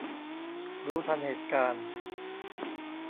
รู้ทันเหตุการณ์